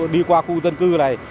đi qua khu dân cư này